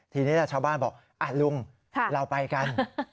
ทีนี้ชาวบ้านบอกลุงเราไปกัน